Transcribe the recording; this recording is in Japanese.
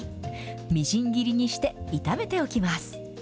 みじん切りにして、炒めておきます。